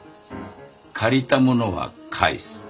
借りたものは返す。